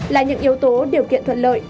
là những yếu tố điều kiện thuận lợi